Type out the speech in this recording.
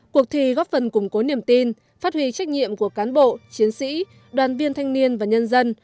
cuộc thi góp phần củng cố niềm tin phát huy trách nhiệm của cán bộ chiến sĩ đoàn viên thanh niên và nhân dân